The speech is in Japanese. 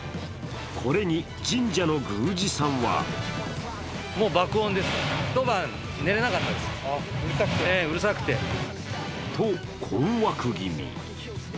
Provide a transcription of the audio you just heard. これに神社の宮司さんはと困惑気味。